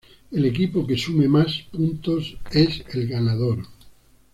El equipo que sume más puntos es el ganador.